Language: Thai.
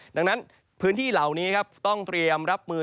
ดังนั้นพื้นที่เหล่านี้ครับต้องเตรียมรับมือ